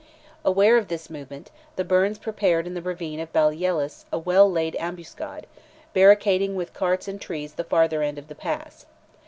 Aware of this movement, the Byrnes prepared in the ravine of Ballyellis a well laid ambuscade, barricading with carts and trees the farther end of the pass.